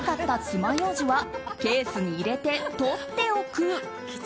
つまようじはケースに入れてとっておく。